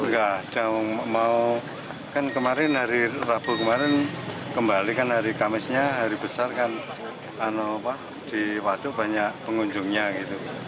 nggak ada mau kan kemarin hari rabu kemarin kembali kan hari kamisnya hari besar kan di waduk banyak pengunjungnya gitu